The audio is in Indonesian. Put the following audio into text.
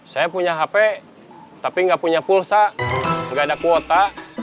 saya punya hp tapi nggak punya pulsa nggak ada kuota